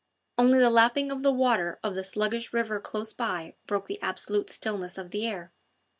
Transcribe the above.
Only the lapping of the water of the sluggish river close by broke the absolute stillness of the air.